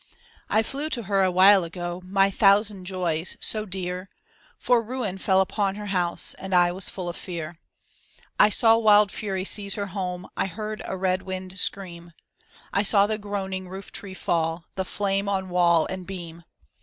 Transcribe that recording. I flew to her a while ago, my thousand joys — so dear; For ruin fell upon her house and I was full of fear. THE SAD YEARS THE QUEEN (Continued) I saw wild fury seize her home, I heard a red wind scream, I saw the groaning roof tree fall, the flame on wall and beam.